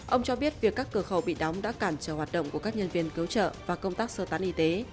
ông cho biết việc các cửa khẩu bị đóng đã cản trở hoạt động của các nhân viên cứu trợ và công tác sơ tán y tế